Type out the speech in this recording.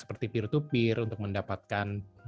seperti peer to peer untuk mendapatkan